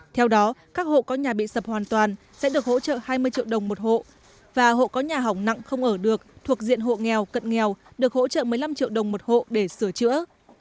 theo đó các hộ có nhà bị sập hoàn toàn sẽ được hỗ trợ hai mươi triệu đồng một hộ và hộ có nhà hỏng nặng không ở được thuộc diện hộ nghèo cận nghèo được hỗ trợ một mươi năm triệu đồng một hộ để sửa chữa